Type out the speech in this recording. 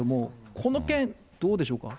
この件、どうでしょうか。